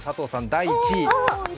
第１位。